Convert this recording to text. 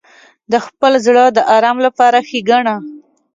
• د خپل زړه د آرام لپاره کښېنه.